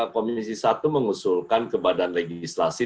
komisi satu mengusulkan kebadan legislasi